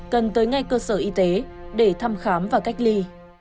cần tới ngay cơ sở y tế để thăm khám và cách ly